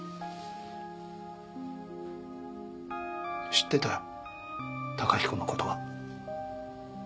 知ってたよ崇彦の事は。